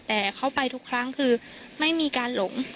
แต่เข้าไปทุกครั้งคือไม่มีการหลง